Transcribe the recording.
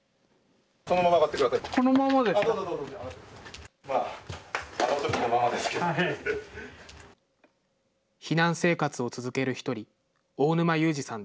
このまま上がってください。